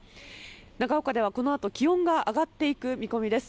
長岡ではこのあと気温が上がっていく見込みです。